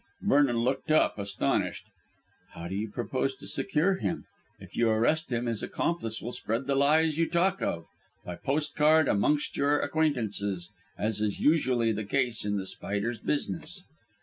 Vernon looked up astonished. "How do you propose to secure him? If you arrest him, his accomplice will spread the lies you talk of, by postcard amongst your acquaintances, as is usually the case in The Spider's business."